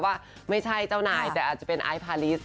ว่าไม่ใช่เจ้านายแต่อาจจะเป็นไอซ์พาลิส